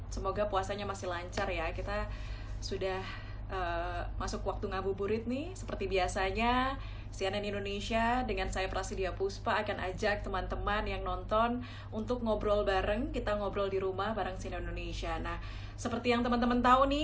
suka duka industri musik kalau pandemi